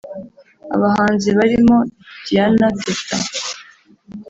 Abahanzi barimo Diana Teta